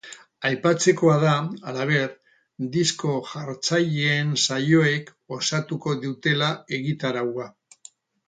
Aipatzekoa da, halaber, disko-jartzaileen saioek osatuko dutela egitaraua.